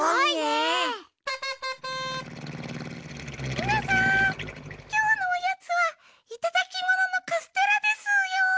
みなさんきょうのおやつはいただきもののカステラでスーよ。